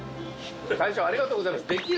大将ありがとうございます。